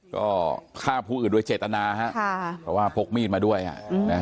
ก็ฆ่าผู้อื่นโดยเจตนาฮะค่ะเพราะว่าพกมีดมาด้วยอ่ะนะ